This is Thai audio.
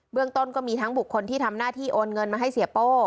เรื่องต้นก็มีทั้งบุคคลที่ทำหน้าที่โอนเงินมาให้เสียโป้